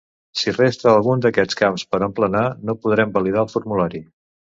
Si resta algun d'aquests camps per emplenar no podrem validar el formulari.